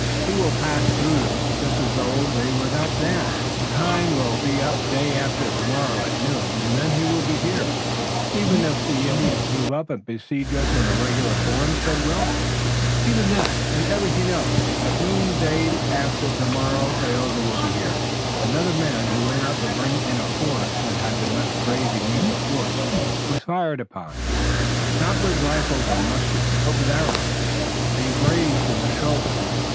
"He will pass through 'em just as if they were not there. The time will be up day after tomorrow at noon, and then he will be here." "Even if the Indians move up and besiege us in regular form?" "Even that, and even anything else. At noon day after tomorrow Tayoga will be here." Another man who went out to bring in a horse that had been left grazing near the fort was fired upon, not with rifles or muskets but with arrows, and grazed in the shoulder.